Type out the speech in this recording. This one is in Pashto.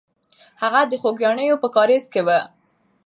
هغه د خوګیاڼیو په کارېز کې وه.